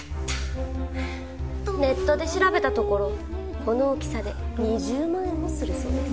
ネットで調べたところこの大きさで２０万円もするそうです。